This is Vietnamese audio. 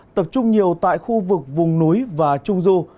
tập trung nhiều tại khu vực vùng núi và trung du